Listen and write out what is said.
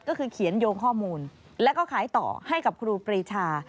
ก็คือเขียนโยงข้อมูลแล้วก็ขายต่อให้กับครูปรีชา